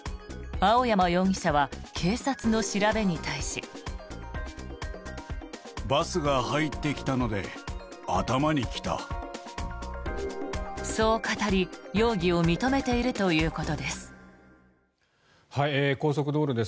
青山容疑者は警察の調べに対し。そう語り、容疑を認めているということです。